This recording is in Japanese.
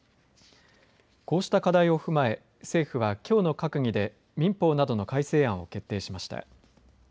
こうした課題を踏まえ政府はきょうの閣議で民法などの改正案を決定しました。